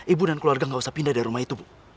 ibu dan keluarga nggak usah pindah dari rumah itu bu